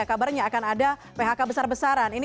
kabarnya akan ada phk besar besaran